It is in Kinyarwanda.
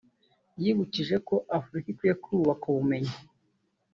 yibukije ko Afurika ikwiye kubaka ubumenyi